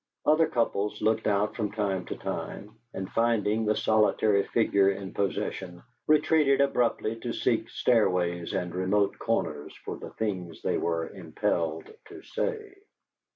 Other couples looked out from time to time, and finding the solitary figure in possession, retreated abruptly to seek stairways and remote corners for the things they were impelled to say.